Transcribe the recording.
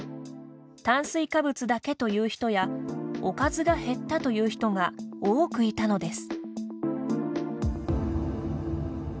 炭水化物だけという人やおかずが減ったという人が多くいたのです。